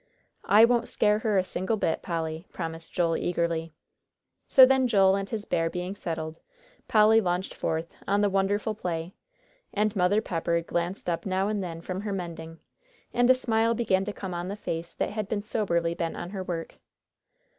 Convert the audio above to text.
"I won't scare her a single bit, Polly," promised Joel, eagerly. So then Joel and his bear being settled, Polly launched forth on the wonderful play, and Mother Pepper glanced up now and then from her mending, and a smile began to come on the face that had been soberly bent on her work.